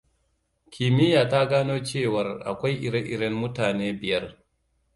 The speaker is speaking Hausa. Kimiyya ta gano cewar akwai ire-iren mutane biyar.